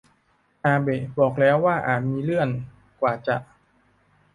อาเบะบอกแล้วว่าอาจมีเลื่อน กว่าจะ